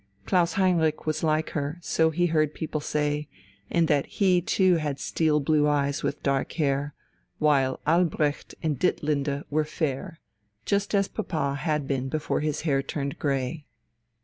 Klaus Heinrich was like her, so he heard people say, in that he too had steel blue eyes with dark hair, while Albrecht and Ditlinde were fair, just as papa had been before his hair turned grey.